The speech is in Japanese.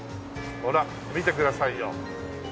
ほら見てくださいよ。